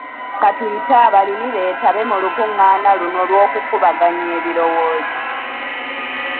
Ka tuyite abalimi beetabe mu lukungaana luno lw'okukubaganya ebirowoozo.